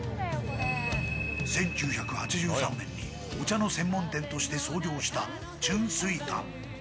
１９８３年に、お茶の専門店として創業した春水堂。